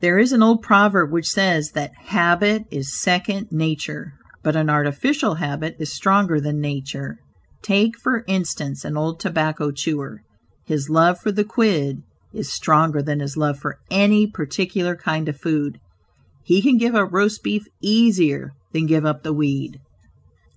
There is an old proverb which says that "habit is second nature," but an artificial habit is stronger than nature. Take for instance, an old tobacco chewer; his love for the "quid" is stronger than his love for any particular kind of food. He can give up roast beef easier than give up the weed.